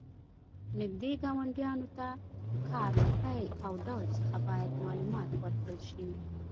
نږدې ګاونډیانو ته د کار له پیل او ډول څخه باید معلومات ورکړل شي.